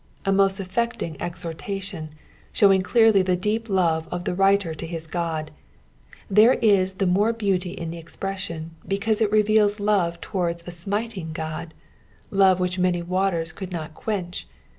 A moat afiectin^ exhorta tion, showing clearlj the deep tove of the writer to his Qad : there is the more hcButj in the exprewion, because it reveals love towards a smiting Ood, love which mAnf waters could not quench.